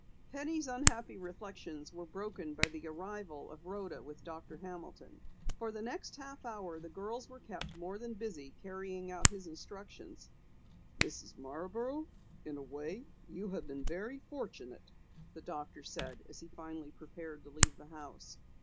Penny's unhappy reflections were broken by the arrival of Rhoda with Doctor Hamilton. For the next half hour the girls were kept more than busy carrying out his instructions. "Mrs. Marborough, in a way you have been very fortunate," the doctor said as he finally prepared to leave the house.